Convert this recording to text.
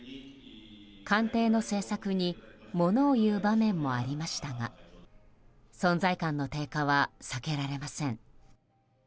官邸の政策に物を言う場面もありましたが存在感の低下は避けられません。